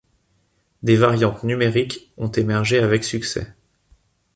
Des variantes numériques ont émergé avec succès.